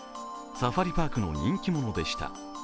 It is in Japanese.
サファリパークの人気者でした。